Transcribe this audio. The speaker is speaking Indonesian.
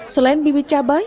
selain bibit cabai